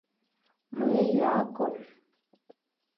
Me yagha kon,